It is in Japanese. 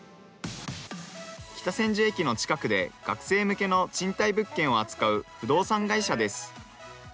北千住駅の近くで学生向けの賃貸物件を扱う不動産会社です。